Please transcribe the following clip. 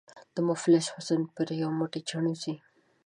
د مفلس حسن په یو موټی چڼو ځي.